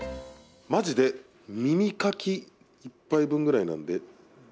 まじで耳かき１杯分くらいなので。